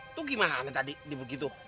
itu gimana tadi begitu